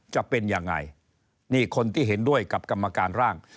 จะเป็นยังไงนี่คนที่เห็นด้วยกับกรรมการร่าง